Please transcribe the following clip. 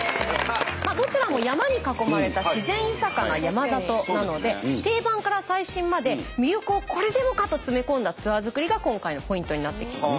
どちらも山に囲まれた自然豊かな山里なので定番から最新まで魅力をこれでもかと詰め込んだツアー作りが今回のポイントになってきます。